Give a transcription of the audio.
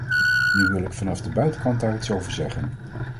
Nu wil ik vanaf de buitenkant daar iets over zeggen.